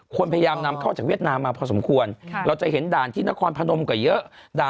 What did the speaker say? พยายามนำเข้าจากเวียดนามมาพอสมควรเราจะเห็นด่านที่นครพนมก็เยอะ